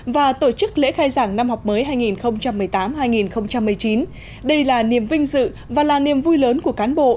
và tổ chức lễ khai giảng năm học mới hai nghìn một mươi tám hai nghìn một mươi chín đây là niềm vinh dự và là niềm vui lớn của cán bộ